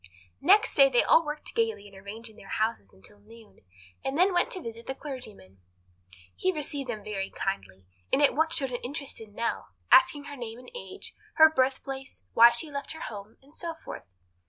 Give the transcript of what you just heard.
Next day they all worked gaily in arranging their houses until noon, and then went to visit the clergyman. He received them very kindly, and at once showed an interest in Nell, asking her name and age, her birthplace, why she left her home, and so forth.